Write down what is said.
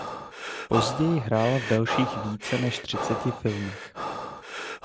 Později hrála v dalších více než třiceti filmech.